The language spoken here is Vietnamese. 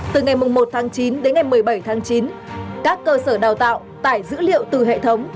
từ ngày một tháng chín đến ngày một mươi bảy tháng chín các cơ sở đào tạo tải dữ liệu từ hệ thống